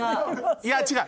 いや違う。